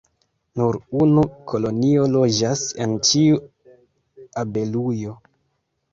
Nur unu kolonio loĝas en ĉiu abelujo.